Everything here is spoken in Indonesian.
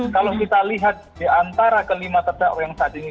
kalau kita lihat di antara kelima terdakwa yang saat ini